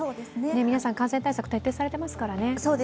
皆さん、感染対策、徹底されていますからね。